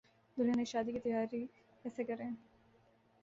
دلہنیں شادی کی تیاری کیسے کریں